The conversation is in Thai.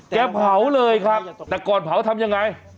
แกผาเลยครับแต่ก่อนไปทำอย่างไร